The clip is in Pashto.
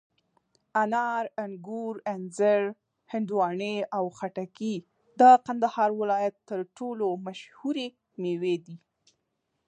انار، انګور، انځر، هندواڼې او خټکي د کندهار ولایت تر ټولو مشهوري مېوې دي.